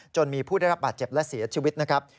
จนมีผู้ได้รับบาดเจ็บและเสียชีวิตนะครับ